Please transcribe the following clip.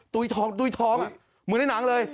ตุ้ยท้องตุ้ยท้องเหมือนในหนังเลย